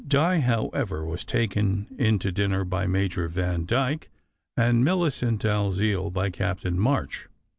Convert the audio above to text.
Di, however, was to be taken in to dinner by Major Vandyke, and Millicent Dalziel by Captain March.